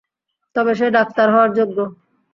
তবে সে ডাক্তার হওয়ার যোগ্য।